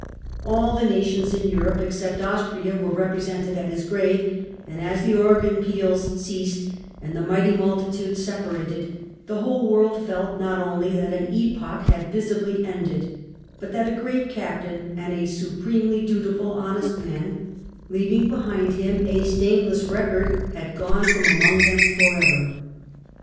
All the nations in Europe, except Austria, were represented at his grave ; and as the organ peals ceased and the mighty multitude separated, the whole world felt not only that an epoch had visibly ended, but that a great captain and a supremely dutiful, honest man, leaving behind him a stainless record, had gone from among them for ever.